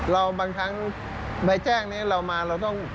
บางครั้งใบแจ้งนี้เรามาเราต้อง